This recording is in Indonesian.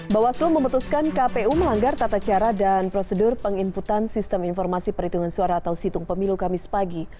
bawaslu memutuskan kpu melanggar tata cara dan prosedur penginputan sistem informasi perhitungan suara atau situng pemilu kamis pagi